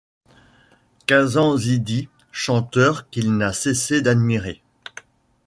Kazantzidis, chanteur qu'il n'a cessé d'admirer.